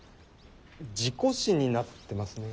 事故死になってますね。